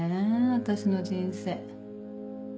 私の人生。